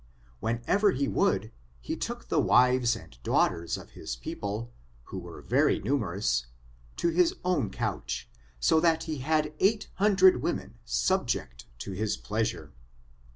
Whenever he would, he took the wives and daughters of his people, who were very numerous, to his own couch, so that he had eight hundred women subject to his pleasure.